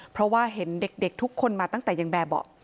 เพราะว่าเห็นเด็กทุกคนมาตั้งแต่ยังแบบเบาะ